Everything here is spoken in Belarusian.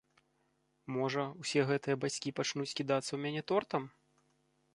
Можа, усе гэтыя бацькі пачнуць кідацца ў мяне тортам?